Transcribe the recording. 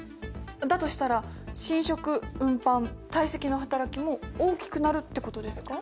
だとしたら侵食運搬堆積のはたらきも大きくなるってことですか？